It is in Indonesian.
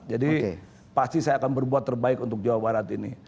jadi pasti saya akan berbuat terbaik untuk jawa barat ini